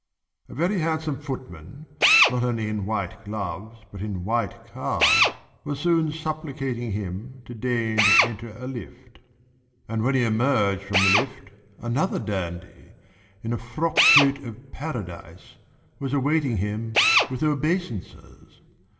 A very handsome footman, not only in white gloves but in white calves, was soon supplicating him to deign to enter a lift. And when he emerged from the lift another dandy in a frock coat of Paradise was awaiting him with obeisances.